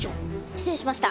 失礼しました！